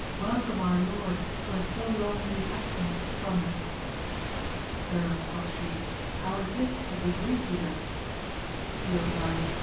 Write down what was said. Welcome our lord, who has so long been absent from us ! Sir, quoth she, how is this that they greet you thus? He replied.